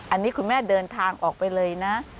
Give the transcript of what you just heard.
อันนี้คุณแม่เดินทางออกไปเลยนะ